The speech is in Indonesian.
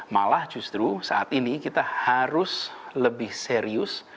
malah justru saat ini kita harus lebih serius